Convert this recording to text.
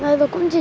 chú dạy chú nhé